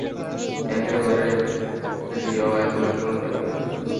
একেবারে royal Bengal tiger.